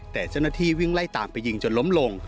แต่เจ้าหน้าที่วิ่งไล่ตามไปยิงจนล้มลง